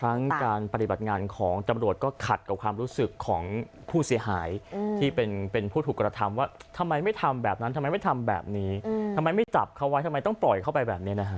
การปฏิบัติงานของตำรวจก็ขัดกับความรู้สึกของผู้เสียหายที่เป็นผู้ถูกกระทำว่าทำไมไม่ทำแบบนั้นทำไมไม่ทำแบบนี้ทำไมไม่จับเขาไว้ทำไมต้องปล่อยเข้าไปแบบนี้นะฮะ